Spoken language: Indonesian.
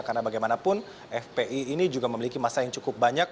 karena bagaimanapun fpi ini juga memiliki masa yang cukup banyak